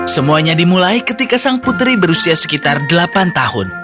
semuanya dimulai ketika sang putri berusia sekitar delapan tahun